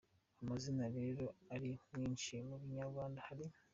Amazina rero ari kwinshi mu Kinyarwanda hari :.